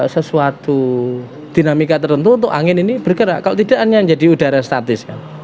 sesuatu dinamika tertentu untuk angin ini bergerak kalau tidak hanya menjadi udara statis